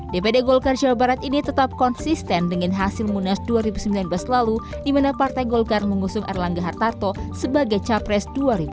dpd golkar jawa barat ini tetap konsisten dengan hasil munas dua ribu sembilan belas lalu di mana partai golkar mengusung erlangga hartarto sebagai capres dua ribu sembilan belas